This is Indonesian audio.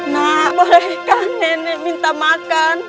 nah bolehkah nenek minta makan